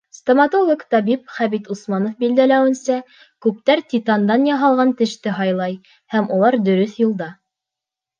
Стоматолог-табип Хәмит Усманов билдәләүенсә, күптәр титандан яһалған теште һайлай, һәм улар дөрөҫ юлда.